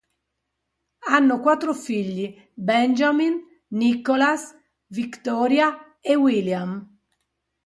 Hanno quattro figli: Benjamin, Nicholas, Victoria e William.